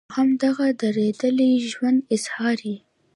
او هم د دغه درديدلي ژوند اظهار ئې